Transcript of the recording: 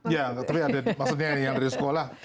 ya tapi ada maksudnya yang dari sekolah